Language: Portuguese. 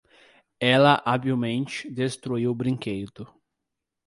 Ela habilmente destruiu o brinquedo.